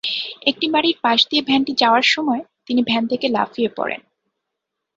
একটি বাড়ির পাশ দিয়ে ভ্যানটি যাওয়ার সময় তিনি ভ্যান থেকে লাফিয়ে পড়েন।